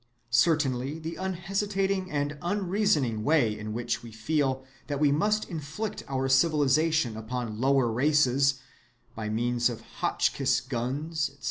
Certainly the unhesitating and unreasoning way in which we feel that we must inflict our civilization upon "lower" races, by means of Hotchkiss guns, etc.